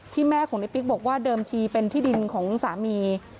แม่ของในปิ๊กบอกว่าเดิมทีเป็นที่ดินของสามี